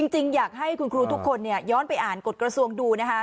จริงอยากให้คุณครูทุกคนย้อนไปอ่านกฎกระทรวงดูนะคะ